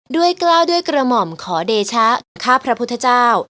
กล้าวด้วยกระหม่อมขอเดชะข้าพระพุทธเจ้า